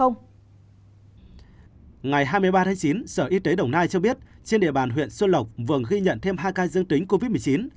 ngày hai mươi ba tháng chín sở y tế đồng nai cho biết trên địa bàn huyện xuân lộc vừa ghi nhận thêm hai ca dương tính covid một mươi chín